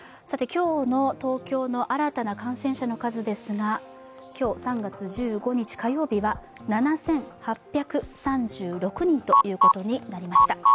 今日の東京の新たな感染者の数ですが今日３月１５日火曜日は７８３６人ということになりました。